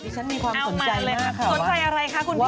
ฉันมีความสนใจมากค่ะว่าเอามาเลยค่ะสนใจอะไรคะคุณพี่